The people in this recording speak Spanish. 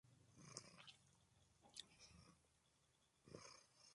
El público reaccionó positivamente ante la actuación de Beavers.